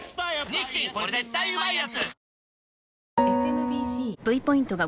「日清これ絶対うまいやつ」